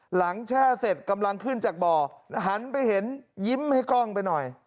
แช่เสร็จกำลังขึ้นจากบ่อหันไปเห็นยิ้มให้กล้องไปหน่อย